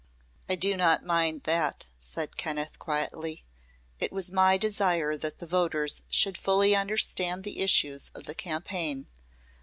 "I do not mind that," said Kenneth, quietly. "It was my desire that the voters should fully understand the issues of the campaign.